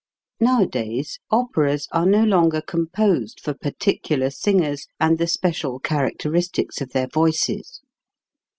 Nowadays operas are no longer composed for particular singers and the special char acteristics of their voices.